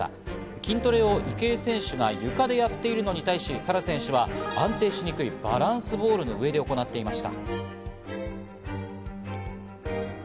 筋トレを池江選手が床でやっているのに対し、サラ選手は安定の悪いバランスボールの上でやっていました。